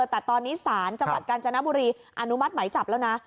แต่ตอนนี้ศาลจังหวัดกาญจนบุรีอนุมัติไหมจับแล้วนะ